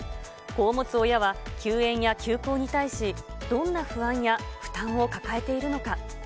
子を持つ親は休園や休校に対し、どんな不安や負担を抱えているのか。